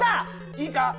いいか？